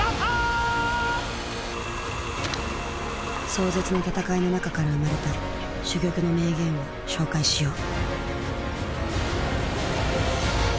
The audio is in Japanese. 壮絶な戦いの中から生まれた珠玉の名言を紹介しよう。